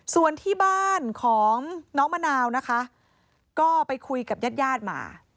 ส่วนที่บ้านของน้องมะนาวนะคะก็ไปคุยกับญาติญาติมา